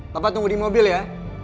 bapak tunggu di mobil ya